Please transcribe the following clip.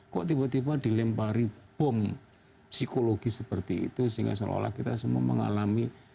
kok tiba tiba dilempari bom psikologis seperti itu sehingga seolah olah kita semua mengalami